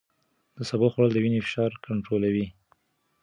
د سبو خوړل د وینې فشار کنټرولوي.